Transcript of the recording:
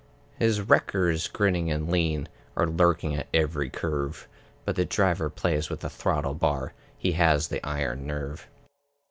His wreckers, grinning and lean, Are lurking at every curve; But the Driver plays with the throttle bar; He has the iron nerve.